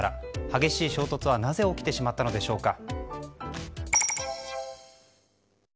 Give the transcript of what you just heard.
激しい衝突はなぜ起きてしまったのでしょうか。